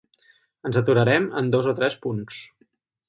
Ens deturarem en dos o tres punts.